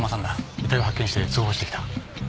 遺体を発見して通報してきた。